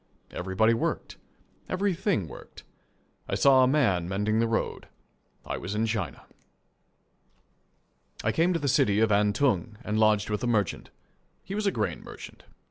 Everybody worked. Everything worked. I saw a man mending the road. I was in China. I came to the city of Antung, and lodged with a merchant. He was a grain merchant.